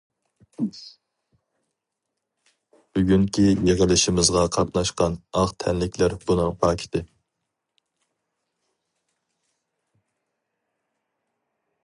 بۈگۈنكى يىغىلىشىمىزغا قاتناشقان ئاق تەنلىكلەر بۇنىڭ پاكىتى.